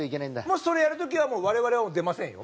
もしそれやる時は我々は出ませんよ